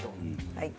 はい。